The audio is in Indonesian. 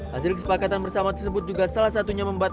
hasil kesepakatan bersama tersebut juga salah satunya